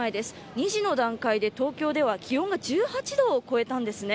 ２時の段階で東京では気温が１８度を超えたんですね。